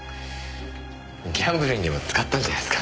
ギャンブルにでも使ったんじゃないですか？